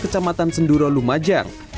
kecamatan senduro lumajang